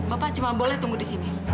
bapak cuma boleh tunggu di sini